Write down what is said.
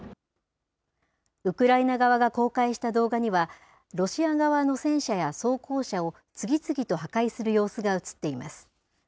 ウクライナ側が公開した動画には、ロシア側の戦車や装甲車を、次々と破壊する様子が映っています。